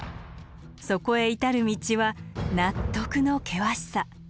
そこへ至る道は納得の険しさ。